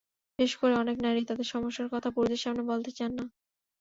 বিশেষ করে অনেক নারী তাঁদের সমস্যার কথা পুরুষদের সামনে বলতে চান না।